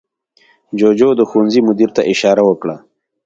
جوجو د ښوونځي مدیر ته اشاره وکړه.